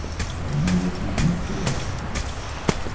"Cleanliness is next to godliness."